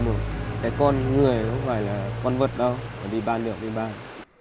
đi một cái con người không phải là con vật đâu phải bị ban liệu bị ban